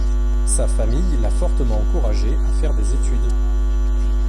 Sa famille l'a fortement encouragé à faire des études.